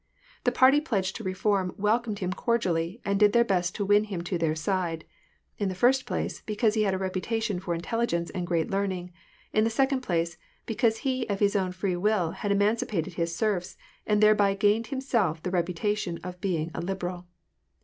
The party pledged to reform welcomed him cordially, and did their best to win him to their side, — in the first place, because he had a reputa tion for intelligence and great learning ; in the second place, because he of his own free will had emancipated his serfs, and thereby gained himself the reputation of being a liberal.